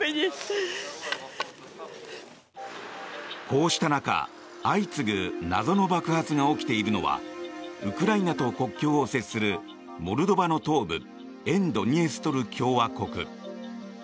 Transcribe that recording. こうした中、相次ぐ謎の爆発が起きているのはウクライナと国境を接するモルドバの東部沿ドニエストル共和国。